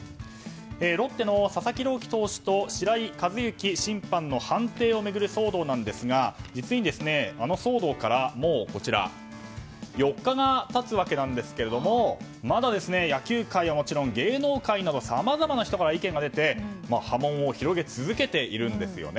ロッテの佐々木朗希投手と白井一行球審の判定を巡る騒動ですが実にあの騒動からもう４日が経つわけなんですがまだ野球界はもちろん芸能界などさまざまな人から意見が出て波紋を広げ続けています。